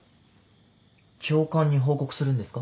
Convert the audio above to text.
教官に報告するんですか？